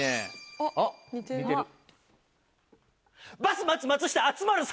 あっ似てる。